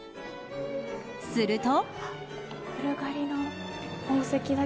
すると。